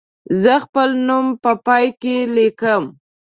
زه خپل نوم په پای کې لیکم.